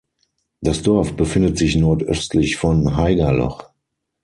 Das Dorf befindet sich nordöstlich von Haigerloch.